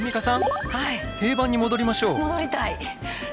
定番に戻りましょう。